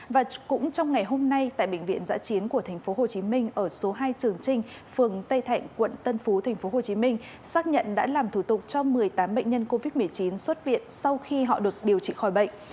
và cũng trong ngày hôm nay tại bệnh viện giã chiến của thành phố hồ chí minh ở số hai trường trinh phường tây thạnh quận tân phú thành phố hồ chí minh xác nhận đã làm thủ tục cho một mươi tám bệnh nhân covid một mươi chín xuất viện sau khi họ được điều trị khỏi bệnh